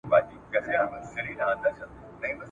او دا غزل مي ولیکل ,